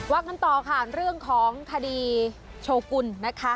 กันต่อค่ะเรื่องของคดีโชกุลนะคะ